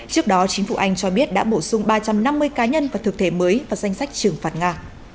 năm năm mươi cá nhân và thực thể mới vào danh sách trừng phạt nga